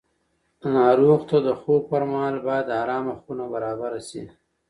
ناروغ ته د خوب پر مهال باید ارامه خونه برابره شي.